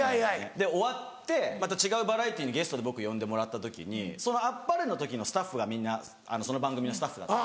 で終わってまた違うバラエティーにゲストで僕呼んでもらった時にその『あっぱれ』の時のスタッフがみんなその番組のスタッフだった。